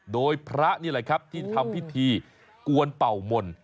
โดยพระนี่แหละครับที่ทำพิธีกวนเป่ามนต์